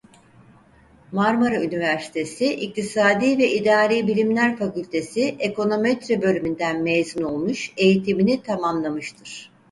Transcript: Marmara Üniversitesi İktisadi ve İdari Bilimler Fakültesi Ekonometri Bölümü'nden mezun olmuş eğitimini tamamlamıştır.